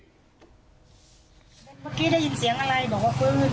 เมื่อกี้ได้ยินเสียงอะไรบอกว่าฟื้น